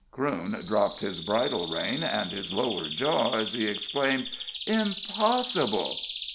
Crewne dropped his bridle rein, and his lower jaw, as he exclaimed: "Impossible!"